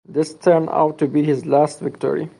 This turned out to be his last victory.